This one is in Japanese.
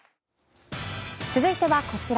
続いてはこちら。